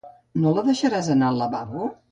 No la deixaràs anar al lavabo?